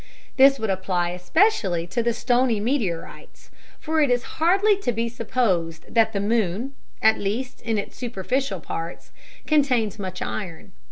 This would apply especially to the stony meteorites, for it is hardly to be supposed that the moon, at least in its superficial parts, contains much iron.